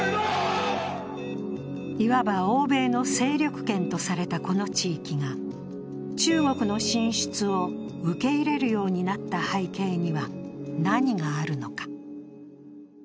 いわば欧米の勢力圏とされたこの地域が中国の進出を受け入れるようになった背景には何があるのか。